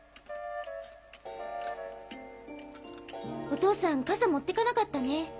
お父さん傘持ってかなかったね。